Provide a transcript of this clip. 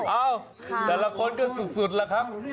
เอ้าแต่ละคนก็สุดล่ะครับ